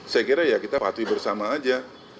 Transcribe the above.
saya kira ya kita patuhi bersama aja